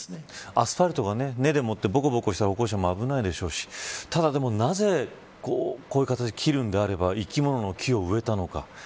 アスファルトが根でもってぼこぼこしたら歩行者も危ないでしょうしただ、なぜこういう形で切るのであれば生き物の木を植えたのか。